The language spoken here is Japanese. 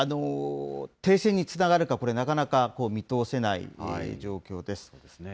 停戦につながるか、これ、なかなか見通せない状況です。